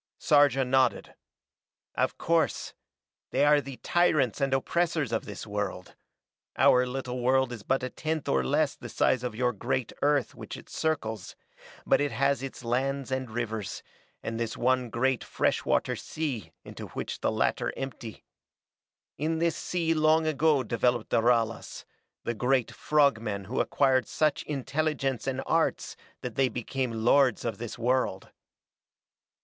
Sarja nodded. "Of course. They are the tyrants and oppressors of this world. Our little world is but a tenth or less the size of your great Earth which it circles, but it has its lands and rivers, and this one great fresh water sea into which the latter empty. In this sea long ago developed the Ralas, the great frog men who acquired such intelligence and arts that they became lords of this world.